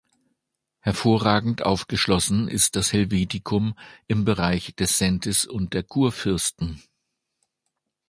Hervorragend aufgeschlossen ist das Helvetikum im Bereich des Säntis und der Churfirsten.